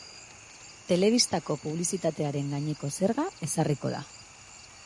Telebistako publizitatearen gaineko zerga ezarriko da.